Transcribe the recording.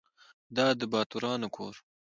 دا د باتورانو کور .